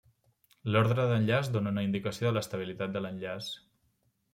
L'ordre d'enllaç dóna una indicació de l'estabilitat de l'enllaç.